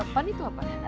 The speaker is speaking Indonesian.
pan itu apa